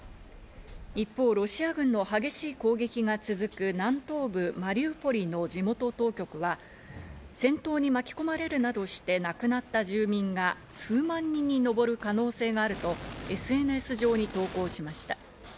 一方、ロシア軍の激しい攻撃が続く南東部マリウポリの地元当局は戦闘に巻き込まれるなどして亡くなった住民が数万人にのぼる可能性があるとＳＮＳ上に投稿しました。